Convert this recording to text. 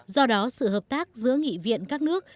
do đó sự hợp tác giữa nghị viện các nước